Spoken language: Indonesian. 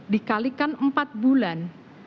dikalikan empat bulan